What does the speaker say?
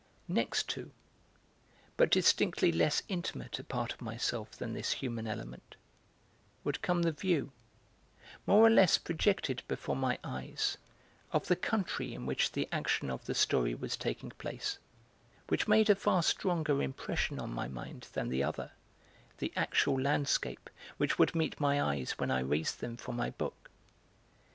Next to, but distinctly less intimate a part of myself than this human element, would come the view, more or less projected before my eyes, of the country in which the action of the story was taking place, which made a far stronger impression on my mind than the other, the actual landscape which would meet my eyes when I raised them from my book.